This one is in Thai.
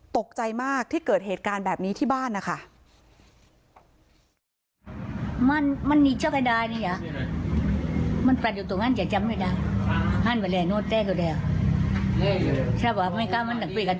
ตกใจมากที่เกิดเหตุการณ์แบบนี้ที่บ้านนะคะ